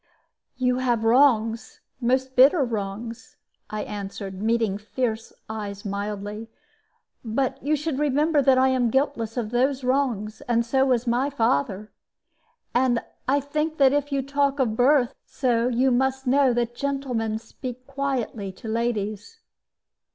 "You have wrongs, most bitter wrongs," I answered, meeting fierce eyes mildly; "but you should remember that I am guiltless of those wrongs, and so was my father. And I think that if you talk of birth so, you must know that gentlemen speak quietly to ladies."